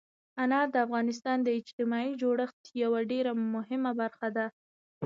انار د افغانستان د اجتماعي جوړښت یوه ډېره مهمه برخه ده.